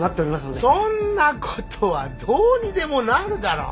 そんなことはどうにでもなるだろ。